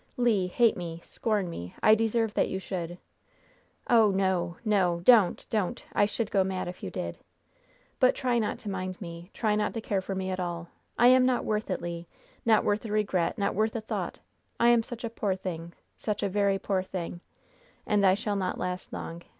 Le, hate me! scorn me! I deserve that you should. Oh, no! no! Don't! don't! I should go mad if you did. But try not to mind me; try not to care for me at all. I am not worth it, Le. Not worth a regret not worth a thought. I am such a poor thing! Such a very poor thing! And I shall not last long.